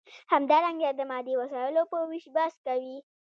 همدارنګه د مادي وسایلو په ویش بحث کوي.